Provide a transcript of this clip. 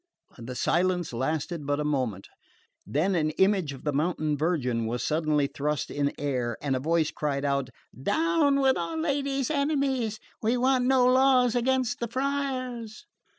The silence lasted but a moment; then an image of the Mountain Virgin was suddenly thrust in air, and a voice cried out: "Down with our Lady's enemies! We want no laws against the friars!"